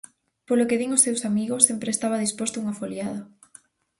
Polo que din os seus amigos, sempre estaba disposto a unha foliada.